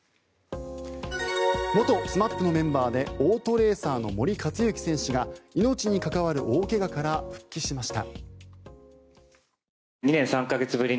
元ＳＭＡＰのメンバーでオートレーサーの森且行選手が命に関わる大怪我から復帰しました。